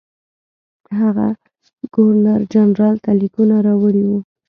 هغه ګورنرجنرال ته لیکونه راوړي وو.